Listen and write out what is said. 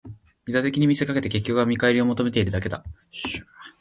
利他的に見せかけて、結局は見返りを求めているだけだ